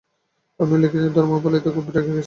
আপনিও লিখেছেন যে, ধর্মপাল এতে খুব রেগে গেছেন।